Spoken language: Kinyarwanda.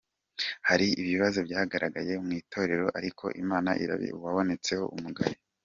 Hari ibibazo byagaragaye mu itorero ariko Imana ireba izi uwabonetsweho umugayo.